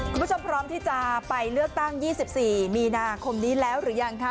คุณผู้ชมพร้อมที่จะไปเลือกตั้ง๒๔มีนาคมนี้แล้วหรือยังคะ